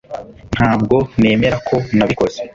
ntabwo nemera ko nabikoze